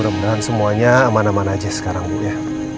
udah udah semuanya aman aman aja sekarang ya